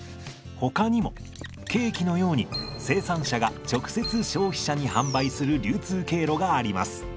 ほかにもケーキのように生産者が直接消費者に販売する流通経路があります。